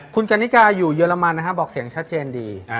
คุณกันนิกาอยู่เยอรมันนะครับบอกเสียงชัดเจนดี